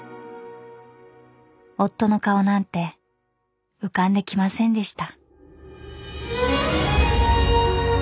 ［夫の顔なんて浮かんできませんでした］